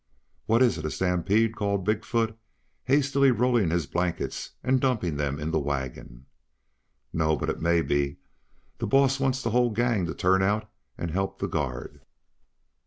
"What is it, a stampede?" called Big foot, hastily rolling his blankets and dumping them in the wagon. "No; but it may be. The boss wants the whole gang to turn out and help the guard."